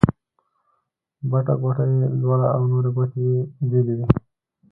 بټه ګوته يي لوړه او نورې ګوتې يې بېلې وې.